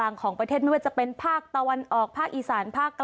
ฮัลโหลฮัลโหลฮัลโหลฮัลโหลฮัลโหลฮัลโหล